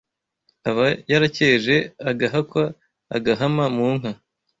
Aba yarakeje agahakwa Agahama mu nka